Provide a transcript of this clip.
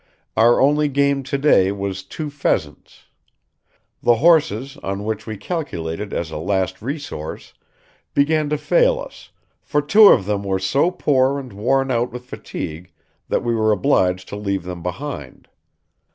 Our only game to day was two pheasants; the horses, on which we calculated as a last resource, began to fail us, for two of them were so poor and worn out with fatigue that we were obliged to leave them behind.